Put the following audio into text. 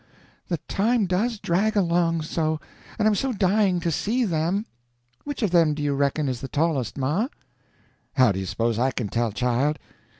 The time does drag along so, and I'm so dying to see them! Which of them do you reckon is the tallest, ma?" "How do you s'pose I can tell, child?